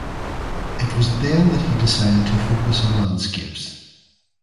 It was then that he decided to focus on landscapes.